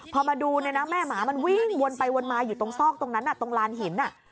พอมาดูเนี่ยนะแม่หมามันวิ่งวนไปวนมาอยู่ตรงซอกตรงนั้นตรงลานหิน